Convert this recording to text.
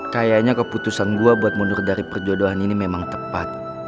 kayaknya keputusan gue buat mundur dari perjodohan ini memang tepat